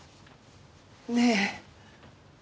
ねえ。